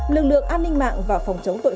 lực lượng an ninh mạng và phòng chống tổn thương